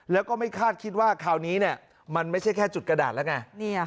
แล้วก็ไม่คาดคิดว่าคราวนี้มันไม่ใช่แค่จุดกระดาษแล้วไง